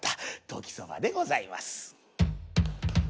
「時そば」でございます。